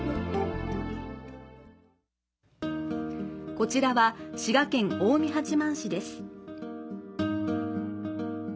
こちらは滋賀県近江八幡市です。